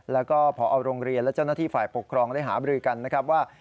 แล้วก็พอโรงเรียนและเจ้าหน้าที่ฝ่ายปกครองได้หาบริกันนะครับว่า